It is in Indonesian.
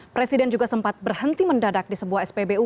presiden juga sempat berhenti mendadak di sebuah spbu